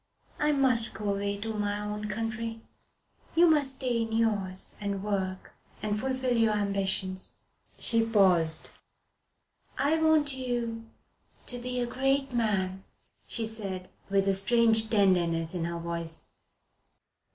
I must go away to my own country. You must stay in yours and work and fulfill your ambitions." She paused. "I want you to be a great man," she said, with a strange tenderness in her voice.